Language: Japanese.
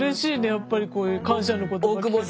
やっぱりこういう感謝の言葉聞くと。